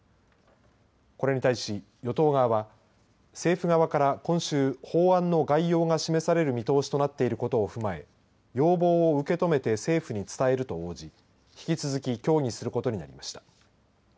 これに対し与党側は政府側から今週、法案の概要が示される見通しとなっていることを踏まえ要望を受け止めて政府に伝えると応じ引き続き協議することになりました。